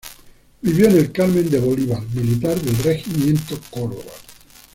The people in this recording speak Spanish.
Vivió en El Carmen de Bolívar militar del Regimiento Córdoba.